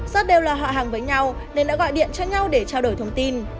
do đều là họ hàng với nhau nên đã gọi điện cho nhau để trao đổi thông tin